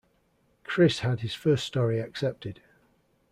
Chris had his first story accepted.